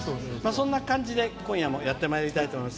そんな感じで今夜もやってまいりたいと思います。